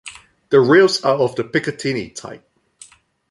The rails are of the Picatinny-type.